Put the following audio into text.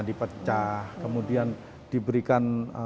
dipecah kemudian diberikan